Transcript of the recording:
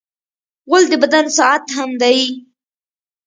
غول د بدن ساعت هم دی.